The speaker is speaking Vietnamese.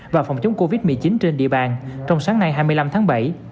và phòng chống covid một mươi chín trên địa bàn trong sáng nay hai mươi năm tháng bảy